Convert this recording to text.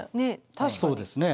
そうですね。